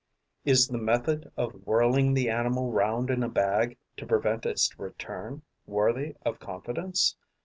Is the method of whirling the animal round in a bag, to prevent its return, worthy of confidence?